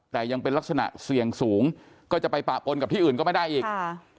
แต่ยังเป็นลักษณะเสี่ยงสูงก็จะไปปะปนกับที่อื่นก็ไม่ได้อีกค่ะ